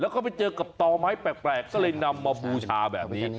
แล้วก็ไปเจอกับต่อไม้แปลกก็เลยนำมาบูชาแบบนี้